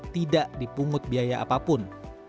tidak dipungut biaya apapun